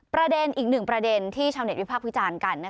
ประเด็นอีกหนึ่งประเด็นที่ชาวเน็ตวิพากษ์วิจารณ์กัน